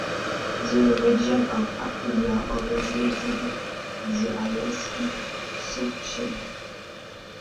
The region of Apulia always maintained the highest consumption.